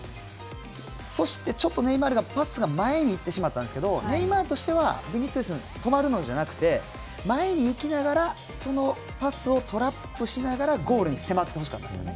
そして、ちょっとネイマールのパスが前にいってしまったんですけどネイマールとしてはビニシウス、止まるのじゃなくて前にいきながら、そのパスをトラップしながらゴールに迫ってほしかったんですよね。